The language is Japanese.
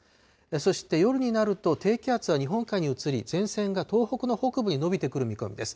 そして夜になると、低気圧は日本海に移り、前線が東北の北部に延びてくる見込みです。